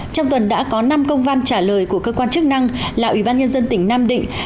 trong tuần đã có năm công văn trả lời của cơ quan chức năng là ủy ban nhân dân tỉnh nam định